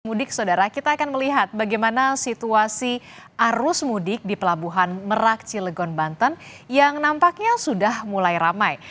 mudik saudara kita akan melihat bagaimana situasi arus mudik di pelabuhan merak cilegon banten yang nampaknya sudah mulai ramai